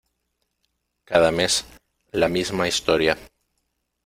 Cada mes, la misma historia.